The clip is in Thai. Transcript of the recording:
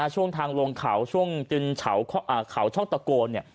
ช่วงทางลงเขาช่วงจึงเขาช่องตะโกน